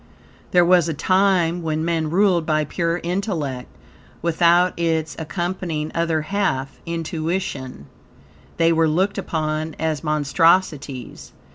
There was a time when men ruled by pure intellect, without its accompanying other half, intuition: they were looked upon as monstrosities.